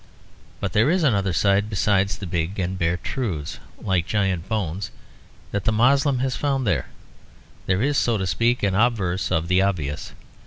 But there is another side besides the big and bare truths, like giant bones, that the Moslem has found there; there is, so to speak, an obverse of the obvious.